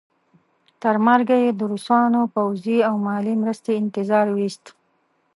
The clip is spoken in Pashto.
تر مرګه یې د روسانو پوځي او مالي مرستې انتظار وایست.